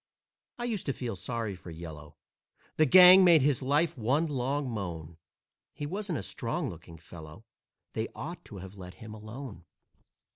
I used to feel sorry for "Yellow," The gang made his life one long moan. He wasn't a strong looking fellow, They ought to have let him alone.